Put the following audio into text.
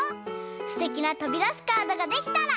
すてきなとびだすカードができたら！